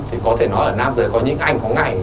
thì có thể nói là nam giới có những anh có ngày